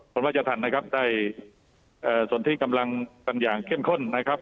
ก็บรรยาฐรรณนะครับได้ส่วนที่กำลังกำลังอย่างเข้มข้นนะครับ